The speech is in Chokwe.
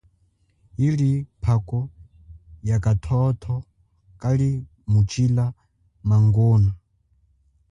Yili phako yakathotho kalimutshila mangona.